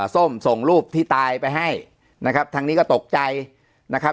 ส้มส่งรูปที่ตายไปให้นะครับทางนี้ก็ตกใจนะครับ